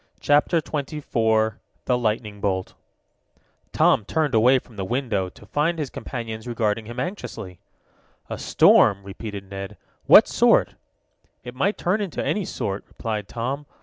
CHAPTER XXIV THE LIGHTNING BOLT Tom turned away from the window, to find his companions regarding him anxiously. "A storm," repeated Ned. "What sort?" "It might turn into any sort," replied Tom.